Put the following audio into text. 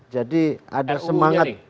jadi ada semangat